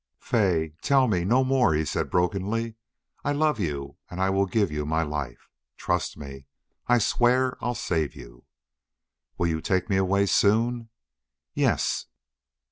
"Fay tell me no more," he said, brokenly. "I love you and I will give you my life. Trust me. I swear I'll save you." "Will you take me away soon?" "Yes."